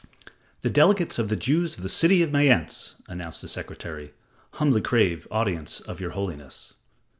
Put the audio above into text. "The delegates of the Jews of the city of Mayence," announced a secretary, "humbly crave audience of Your Holiness."